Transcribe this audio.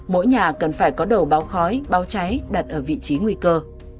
mỗi nhà cần phải có đầu bao khói bao cháy đặt ở vị trí nguy cơ